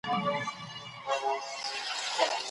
د لویې جرګي غړي څنګه ټاکل کیږي؟